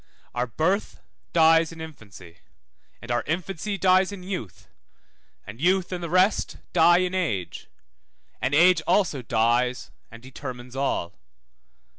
Our birth dies in infancy, and our infancy dies in youth, and youth and the rest die in age, and age also dies and determines all.